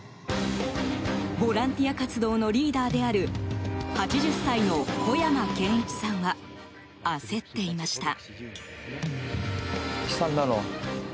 ボランティア活動のリーダーである８０歳の小山謙一さんは焦っていました。